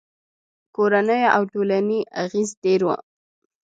کورنیو او ټولنې اغېز ډېر و.